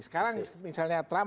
sekarang misalnya trump